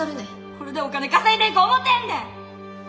これでお金稼いでいこう思てんねん！